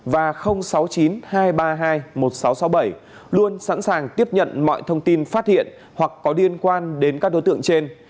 và sáu mươi chín hai trăm ba mươi hai một nghìn sáu trăm sáu mươi bảy luôn sẵn sàng tiếp nhận mọi thông tin phát hiện hoặc có liên quan đến các đối tượng trên